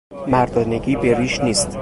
مردانگی به ریش نیست